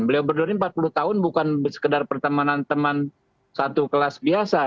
beliau berdua ini empat puluh tahun bukan sekedar pertemanan teman satu kelas biasa